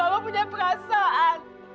mama punya perasaan